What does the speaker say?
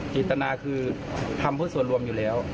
จิตนาคือทำเพื่อส่วนรวมอยู่แล้ว